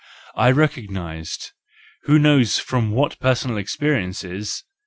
I recognised—who knows from what personal experiences?